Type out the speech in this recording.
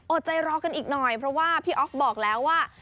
ใจรอกันอีกหน่อยเพราะว่าพี่อ๊อฟบอกแล้วว่า